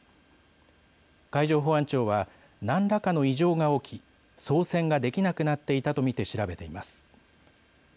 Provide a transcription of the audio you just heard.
海上保安庁は何らかの異常が起き操船ができなくなっていたと見て調べています。